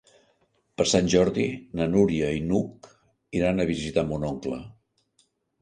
Per Sant Jordi na Núria i n'Hug iran a visitar mon oncle.